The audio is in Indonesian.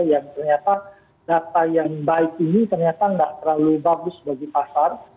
yang ternyata data yang baik ini ternyata nggak terlalu bagus bagi pasar